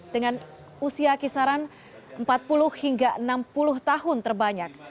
dengan usia kisaran empat puluh hingga enam puluh tahun terbanyak